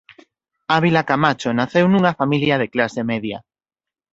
Ávila Camacho naceu nunha familia de clase media.